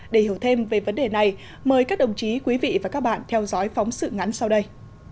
để hiểu thêm về vấn đề này mời các đồng chí quý vị và các bạn theo dõi phóng sự ngắn sau đây